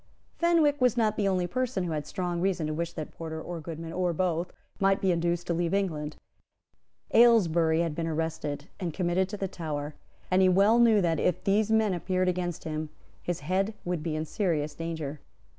Fenwick was not the only person who had strong reason to wish that Porter or Goodman, or both, might be induced to leave England. Aylesbury had been arrested, and committed to the Tower; and he well knew that, if these men appeared against him, his head would be in serious danger.